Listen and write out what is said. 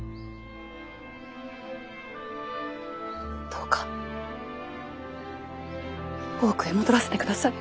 どうか大奥へ戻らせてください。